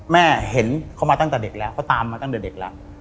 แม่เห็นเขามาตั้งแต่เด็กแล้วเขาตามมาตั้งแต่เด็กแล้ว